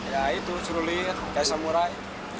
ya itu cerulit kaisa murai